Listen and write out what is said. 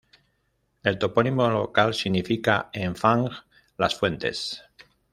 El topónimo local significa en fang "Las Fuentes".